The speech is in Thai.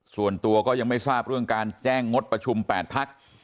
ส่วนตัวก็ยังไม่ทราบเรื่องการแจ้งงดประชุม๘พัก